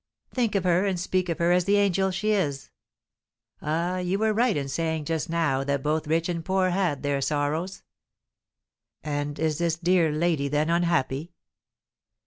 "Think of her and speak of her as the angel she is. Ah, you were right in saying just now that both rich and poor had their sorrows!" "And is this dear lady, then, unhappy?"